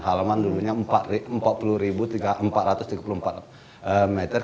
halaman dulunya empat puluh empat ratus tiga puluh empat meter